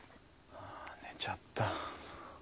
寝ちゃった。